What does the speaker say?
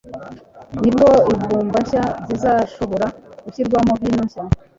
Nibwo imvumba nshya zizashobora gushyirwamo vino nshya.